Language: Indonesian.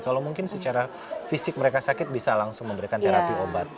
kalau mungkin secara fisik mereka sakit bisa langsung memberikan terapi obat